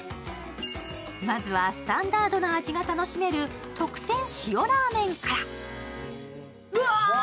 まずはスタンダードなお味が楽しめる特製塩ラーメンから。